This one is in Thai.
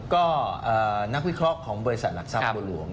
ก็นักวิเคราะห์ของบริษัทหลักทรัพย์บัวหลวง